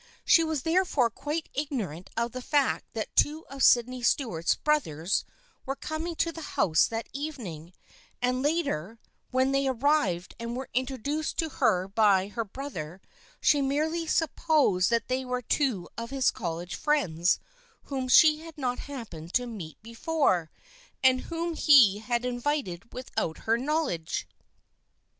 She was therefore quite ignorant of the fact that two of Sydney Stuart's brothers were coming to the house that evening, and later, when they arrived and were introduced to her by her brother, she merely supposed that they were two of his college friends whom she had not happened to meet before, and whom he had invited without her knowledge.